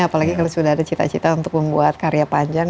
apalagi kalau sudah ada cita cita untuk membuat karya panjang